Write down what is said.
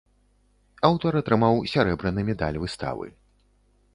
Аўтар атрымаў сярэбраны медаль выставы.